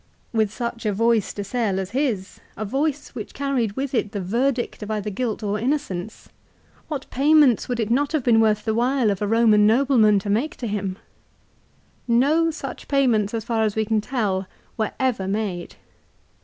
With such a voice to sell as his, a voice which carried with it the verdict of either guilt or innocence, what payments would it not have been worth the while of a Eoman nobleman to make to him? No such payments, as far as we can tell, were ever made.